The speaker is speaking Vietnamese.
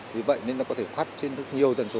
vì vậy nên nó có thể phát trên rất nhiều dần số